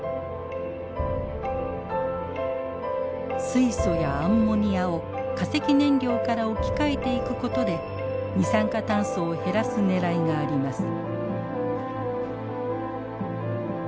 水素やアンモニアを化石燃料から置き換えていくことで二酸化炭素を減らすねらいがあります。